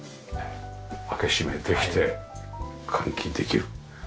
開け閉めできて換気できる。